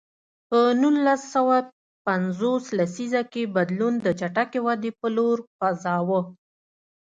په نولس سوه پنځوس لسیزه کې بدلون د چټکې ودې په لور خوځاوه.